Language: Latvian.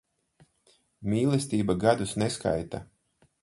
Mīlestība gadus neskaita.